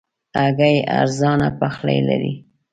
هګۍ ارزانه پخلی لري.